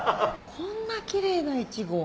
こんなキレイなイチゴ。